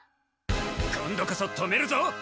今度こそ止めるぞ。